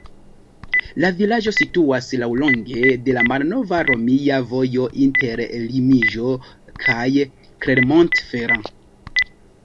La vilaĝo situas laŭlonge de la malnova romia vojo inter Limoĝo kaj Clermont-Ferrand.